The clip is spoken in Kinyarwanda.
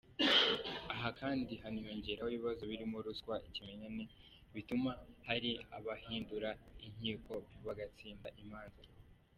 Aha kandi haniyongeraho ibibazo birimo ruswa, ikimenyane bituma hari abahindura inkiko bagatsinda imanza.